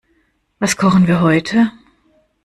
Was kochen wir heute?